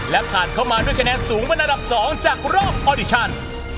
และผ่านเข้ามาด้วยคะแนนสูงเป็นอันดับ๒จากรอบออดิชัน